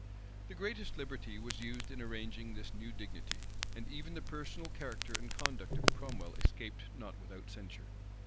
The greatest liberty was used in arraigning this new dignity; and even the personal character and conduct of Cromwell escaped not without censure.